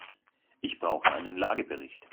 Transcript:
Ich brauche einen Lagebericht.